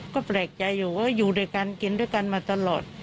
ก็แปลกใจอยู่ว่าอยู่ด้วยกันกินด้วยกันมาตลอด